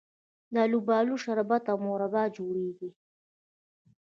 د الوبالو شربت او مربا جوړیږي.